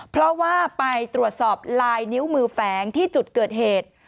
เพราะว่าไปตรวจสอบลายนิ้วมือแฝงที่จุดเกิดเหตุ